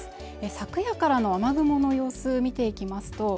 昨夜からの雨雲の様子見ていきますと